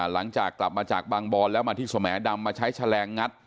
หลังจากกลับมาจากบางบอนแล้วมาที่สมดำมาใช้แฉลงงัด